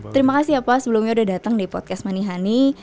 terima kasih ya pak sebelumnya udah datang di podcast manihani